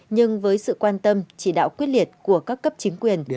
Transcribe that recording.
nhưng với sự quan tâm chỉ đạo quyết liệt của các cấp chính quyền